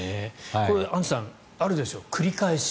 アンジュさん、あるでしょ繰り返し。